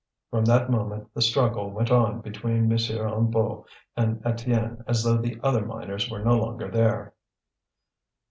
From that moment the struggle went on between M. Hennebeau and Étienne as though the other miners were no longer there.